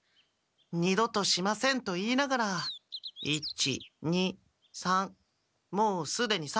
二度としませんと言いながら１２３もうすでに三度もやっている。